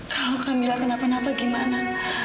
kalau kamila kenapa napa gimana